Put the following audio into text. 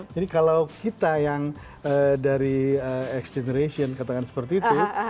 jadi kalau kita yang dari x generation katakan seperti itu